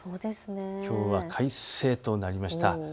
きょうは快晴となりました。